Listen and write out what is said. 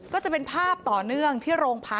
ก็จะเป็นภาพต่อเนื่องที่โรงพัก